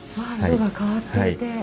ああ色が変わっていて。